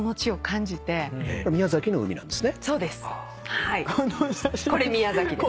はいこれ宮崎です。